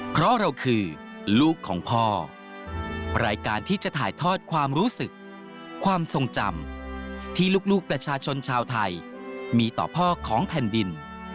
เพราะเราคือลูกของพ่อรายการที่จะถ่ายทอดความรู้สึกความทรงจำที่ลูกประชาชนชาวไทยมีต่อพ่อของแผ่นดิน